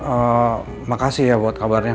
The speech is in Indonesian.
eee makasih ya buat kabarnya